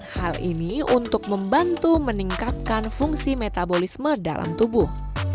hal ini untuk membantu meningkatkan fungsi metabolisme dalam tubuh